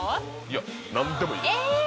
いや何でもいいええ